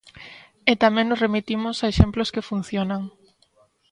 E tamén nos remitimos a exemplos que funcionan.